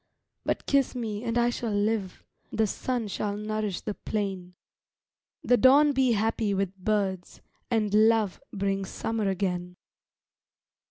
But kiss me and I shall live, The sun shall nourish the plain, The dawn be happy with birds And love bring Summer again.